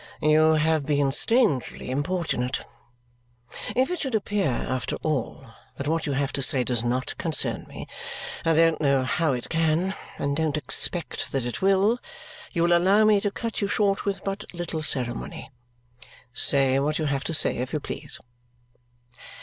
"You have been strangely importunate. If it should appear, after all, that what you have to say does not concern me and I don't know how it can, and don't expect that it will you will allow me to cut you short with but little ceremony. Say what you have to say, if you please."